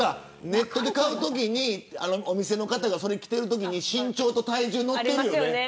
ネットで買うときにお店の方がそれを着ているときに身長と体重が載ってるよね。